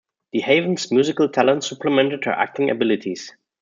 DeHaven's musical talents supplemented her acting abilities.